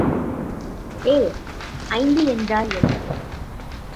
ஏ ஐந்து என்றால் என்ன?